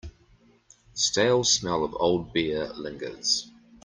The stale smell of old beer lingers.